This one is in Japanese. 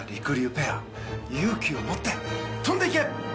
ペア勇気を持って跳んでいけ！